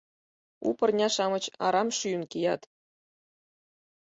У пырня-шамыч арам шӱйын кият.